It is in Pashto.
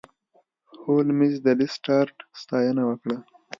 هولمز د لیسټرډ ستاینه وکړه.